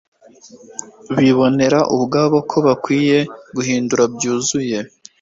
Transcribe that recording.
Bibonera ubwabo ko bakwinye guhinduka byuzuye;